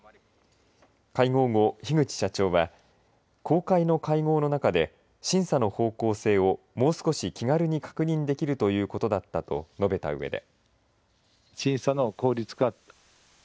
会合後、樋口社長は公開の会合の中で審査の方向性をもう少し気軽に確認できるということだったと述べたうえで。